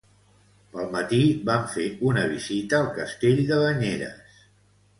Pel matí vam fer una visita al castell de Banyeres.